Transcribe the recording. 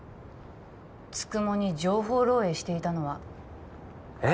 九十九に情報漏えいしていたのはえっ？